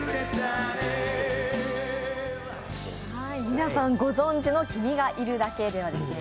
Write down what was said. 皆さんご存じの「君がいるだけで」はですね